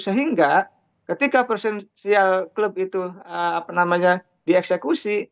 sehingga ketika presiden club itu apa namanya dieksekusi